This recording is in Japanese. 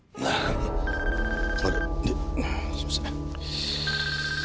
すいません。